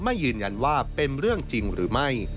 ยืนยันว่าเป็นเรื่องจริงหรือไม่